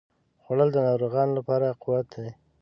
خوړل د ناروغانو لپاره قوت دی